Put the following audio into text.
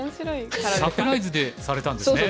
サプライズでされたんですね？